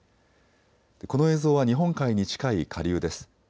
この映像は日本海に近い下流です。